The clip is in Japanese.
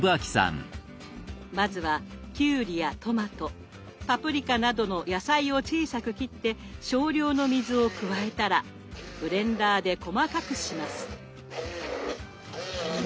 まずはきゅうりやトマトパプリカなどの野菜を小さく切って少量の水を加えたらブレンダーで細かくします。